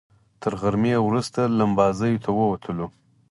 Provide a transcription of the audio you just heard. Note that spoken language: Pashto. تر غرمې وروسته لمباځیو ته ووتلو.